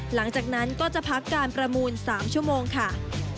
หลังจากนั้นก็จะพักการประมูล๓ชั่วโมงค่ะ